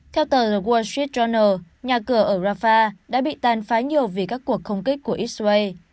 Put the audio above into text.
theo tờ th orld street journal nhà cửa ở rafah đã bị tàn phá nhiều vì các cuộc không kích của israel